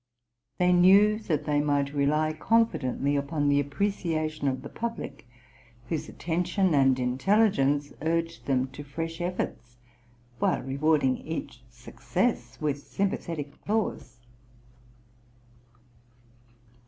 They knew that they might rely confidently on the appreciation of the public, whose attention and intelligence urged them to fresh efforts, while rewarding each success with sympathetic applause.